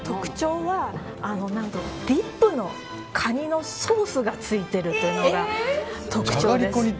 ディップのカニのソースがついてるというのが特徴です。